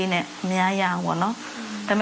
ท่านประธานครับนี่คือสิ่งที่สุดท้ายของท่านครับ